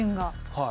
はい。